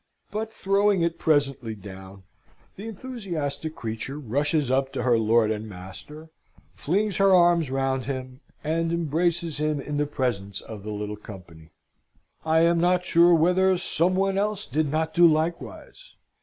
But throwing it presently down, the enthusiastic creature rushes up to her lord and master, flings her arms round him, and embraces him in the presence of the little company. I am not sure whether some one else did not do likewise.